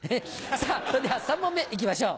さぁそれでは３問目いきましょう。